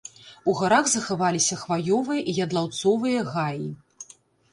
У гарах захаваліся хваёвыя і ядлаўцовыя гаі.